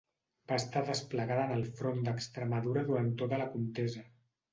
Va estar desplegada en el front d'Extremadura durant tota la contesa.